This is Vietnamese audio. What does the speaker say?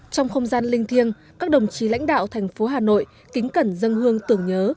trong không gian linh thiêng các đồng chí lãnh đạo thành phố hà nội kính cẩn dân hương tưởng nhớ